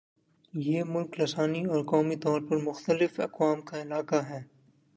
یہ ملک لسانی اور قومی طور پر مختلف اقوام کا علاقہ ہے